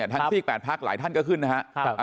ทางที่แปดพักร่วมหลายท่านก็ขึ้นนะฮะ